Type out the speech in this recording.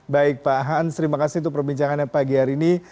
baik pak hans terima kasih untuk perbincangannya pagi hari ini